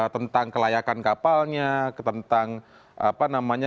tentang kelayakan kapalnya tentang apa namanya